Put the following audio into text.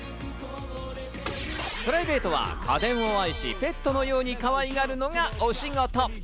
プライベートは家電を愛し、ペットのようにかわいがるのが推しゴト。